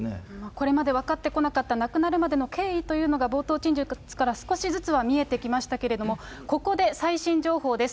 これまで分かってこなかった、亡くなるまでの経緯というのが、冒頭陳述から少しずつは見えてきましたけれども、ここで最新情報です。